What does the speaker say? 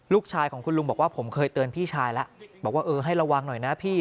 ลูกชายของคุณลุงบอกว่าผมเคยเตือนพี่ชายแล้วบอกว่าเออให้ระวังหน่อยนะพี่